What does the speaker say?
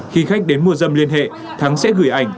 khi khách đến mua dâm liên hệ thắng sẽ gửi ảnh